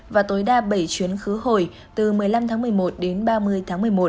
và tối đa bảy chuyến khứ hồi từ một mươi năm tháng một mươi một đến ba mươi tháng một mươi một